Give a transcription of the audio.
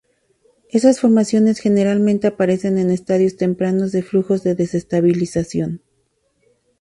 Esas formaciones generalmente aparecen en estadios tempranos de flujos de desestabilización.